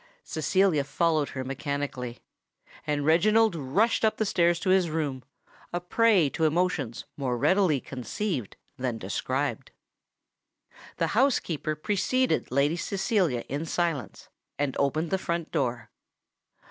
Cecilia followed her mechanically; and Reginald rushed up the stairs to his room, a prey to emotions more readily conceived than described. The housekeeper preceded Lady Cecilia in silence, and opened the front door.